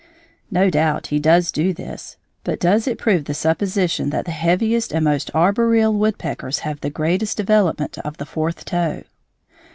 No doubt he does do this, but does it prove the supposition that the heaviest and most arboreal woodpeckers have the greatest development of the fourth toe?